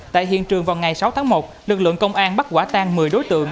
tại hiện trường vào ngày sáu tháng một lực lượng công an bắt quả tan một mươi đối tượng